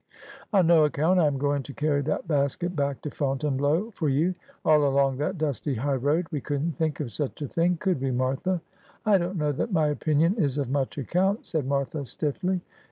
' On no account. I am going to carry that basket back to Fontainebleau for you.' ' All along that dusty high road. We couldn't think of such a thing ; could we, Martha ?' 'I don't know that my opinion is of much account,' said Martha stiffly.